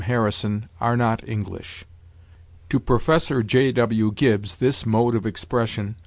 Harrison, 'are not English.' To Professor J. W. Gibbs 'this mode of expression